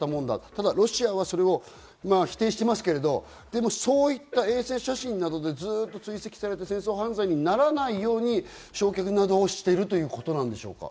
ただロシアは、否定していますけれど、そういった衛星写真などで追跡されて戦争犯罪にならないように焼却などをしているということなんでしょうか。